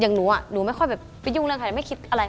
หนูหนูไม่ค่อยแบบไปยุ่งเรื่องใครไม่คิดอะไร